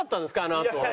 あのあと。